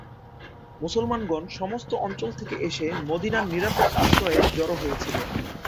মুসলমানগণ সমস্ত অঞ্চল থেকে এসে মদীনার নিরাপদ আশ্রয়ে জড়ো হয়েছিল।